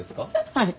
はい。